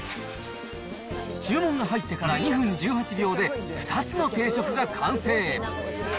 注文が入ってから２分１８秒で、２つの定食が完成。